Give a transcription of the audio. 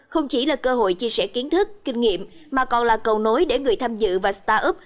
không chỉ là cơ hội chia sẻ kiến thức kinh nghiệm mà còn là cầu nối để người tham dự và start up